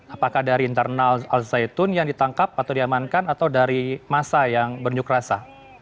apakah dari internal al zaitun yang ditangkap atau diamankan atau dari masa yang berunjuk rasa